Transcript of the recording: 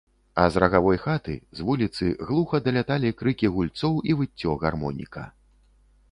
А з рагавой хаты, з вуліцы, глуха даляталі крыкі гульцоў і выццё гармоніка.